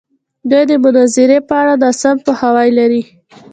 دوی د مناظرې په اړه ناسم پوهاوی لري.